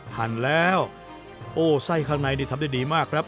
หั่นแล้วโอ้ไส้ข้างในนี่ทำได้ดีมากครับ